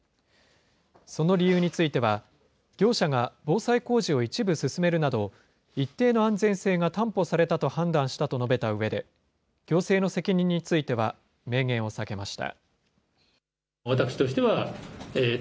その理由については、業者が防災工事を一部進めるなど、一定の安全性が担保されたと判断したと述べたうえで、行政の責任については明言を避けました。